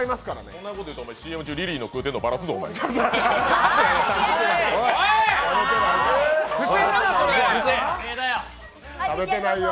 そんなこと言うと、ＣＭ中、リリーの食うてるのばらしますよ。